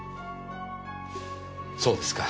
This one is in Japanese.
そうですか。